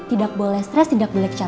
tidak boleh stres tidak boleh caca